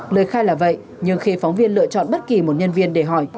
lời khai là vậy nhưng khi phóng viên lựa chọn bất kỳ một nhân viên để hỏi